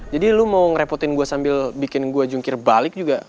jadi lo mau ngerepotin gue sambil bikin gue jungkir balik juga